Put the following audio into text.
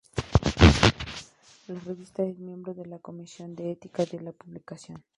La revista es miembro de la Comisión de Ética en Publicación.